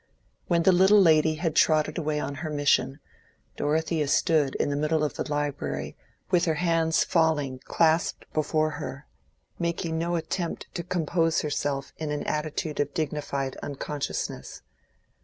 When the little lady had trotted away on her mission, Dorothea stood in the middle of the library with her hands falling clasped before her, making no attempt to compose herself in an attitude of dignified unconsciousness.